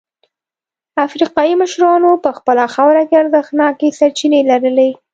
افریقايي مشرانو په خپله خاوره کې ارزښتناکې سرچینې لرلې.